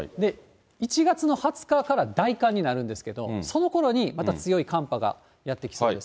１月の２０日から大寒になるんですけど、そのころにまた強い寒波がやって来そうです。